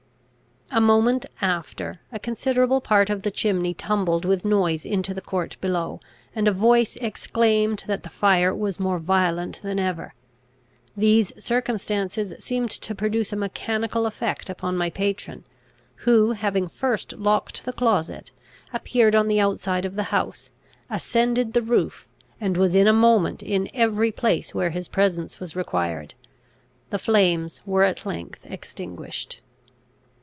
A moment after, a considerable part of the chimney tumbled with noise into the court below, and a voice exclaimed that the fire was more violent than ever. These circumstances seemed to produce a mechanical effect upon my patron, who, having first locked the closet, appeared on the outside of the house, ascended the roof, and was in a moment in every place where his presence was required. The flames were at length extinguished.